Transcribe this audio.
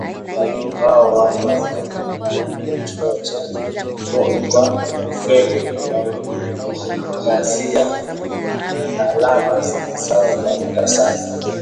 Walimu hao wanakilaumu chuo cha Moi kwa kufeli kuangazia lalama zao kwa muda sasa.